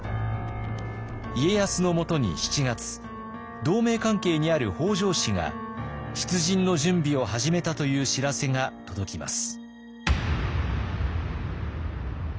家康のもとに７月同盟関係にある北条氏が出陣の準備を始めたという知らせが届きます。